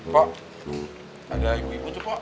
pok ada ibu ibu tuh pok